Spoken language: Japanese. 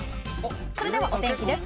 それではお天気です。